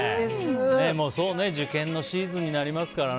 もう受験のシーズンになりますからね。